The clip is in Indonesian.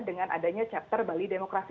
dengan adanya chapter bali demokrasi